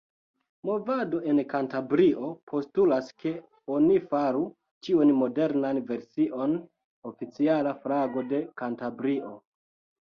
Movado en Kantabrio postulas, ke oni faru tiun modernan version oficiala flago de Kantabrio.